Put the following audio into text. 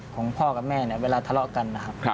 ของพ่อกับแม่เวลาทะเลาะกัน